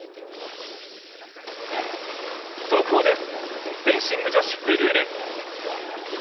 速報です、フェンシング女子フルーレ。